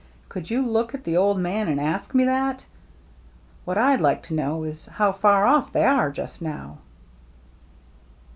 Could you look at the old man and ask me that ? What I'd like to know is how far ofF they are just now.'